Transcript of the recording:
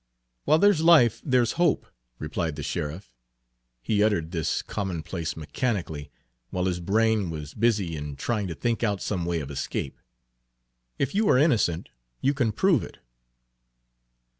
"While there's life there's hope," replied the sheriff. He uttered this commonplace mechanically, while his brain was busy in trying to think out some way of escape. "If you are innocent you can prove it."